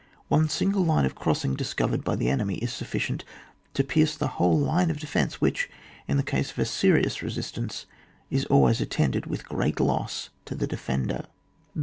One single line of crossing disoovered by the enemy is sufficient to pierce the whole line of defence which, incase of a serious resist ance, is always attended with great loss to the defender.